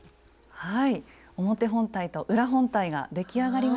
はい。